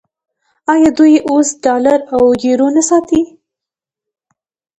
آیا دوی اوس ډالر او یورو نه ساتي؟